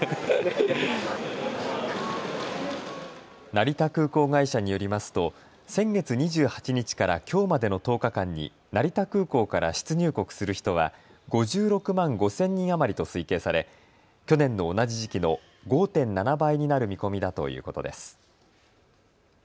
成田空港会社によりますと先月２８日からきょうまでの１０日間に成田空港から出入国する人は５６万５０００人余りと推計され去年の同じ時期の５．７倍になる見込みだということです。